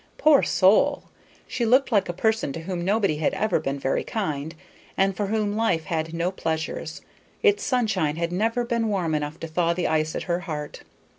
Poor soul! she looked like a person to whom nobody had ever been very kind, and for whom life had no pleasures: its sunshine had never been warm enough to thaw the ice at her heart.